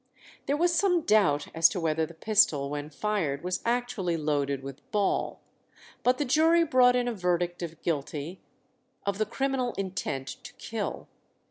There was some doubt as to whether the pistol when fired was actually loaded with ball, but the jury brought in a verdict of guilty of the criminal intent to kill.